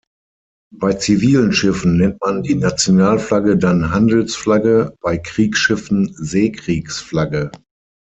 Bei zivilen Schiffen nennt man die Nationalflagge dann Handelsflagge, bei Kriegsschiffen Seekriegsflagge.